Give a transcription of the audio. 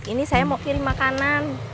ini saya mau kirim makanan